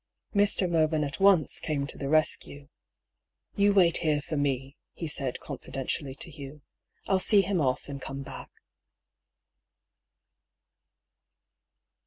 Mr. Mervyn at once came to the rescue. " You wait here for me," he said confidentially to Hugh. " I'll see him off, and come back."